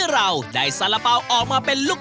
เร็วอีกพี่ป้อง